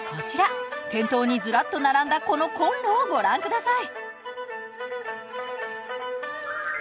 店頭にずらっと並んだこのコンロをご覧ください。